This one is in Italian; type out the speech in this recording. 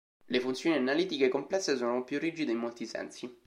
Le funzioni analitiche complesse sono più rigide in molti sensi.